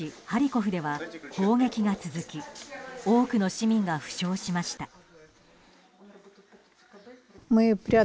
ハリコフでは砲撃が続き多くの市民が負傷しました。